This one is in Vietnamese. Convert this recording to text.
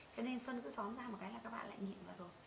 cho nên phân cứ sói ra một cái là các bạn lại nhịn vào rồi